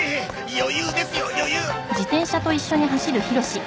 余裕ですよ余裕。